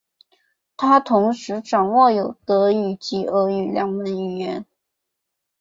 他同时掌握有德语及俄语两门语言。